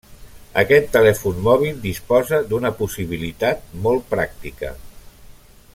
Aquest telèfon mòbil disposa d'una possibilitat molt pràctica.